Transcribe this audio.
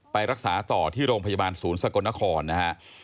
ไปรักษาต่อที่โรงพยาบาลศูนย์สกลนครนะฮะ